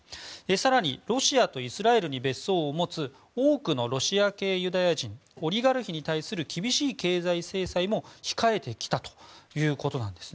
更に、ロシアとイスラエルに別荘を持つ多くのロシア系ユダヤ人オリガルヒに対する厳しい経済制裁も控えてきたということです。